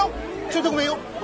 ちょいとごめんよ。